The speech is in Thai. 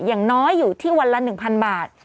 อย่างน้อยอยู่ที่วันละ๑๐๐บาท